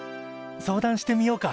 相談してみようか。